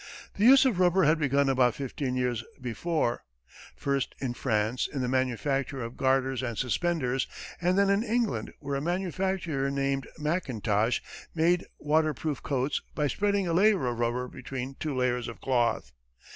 The use of rubber had begun about fifteen years before, first in France in the manufacture of garters and suspenders, and then in England where a manufacturer named Mackintosh made water proof coats by spreading a layer of rubber between two layers of cloth.